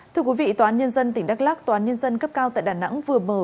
thưa quý vị tòa án nhân dân tỉnh đắk lắc tòa án nhân dân cấp cao tại đà nẵng vừa mở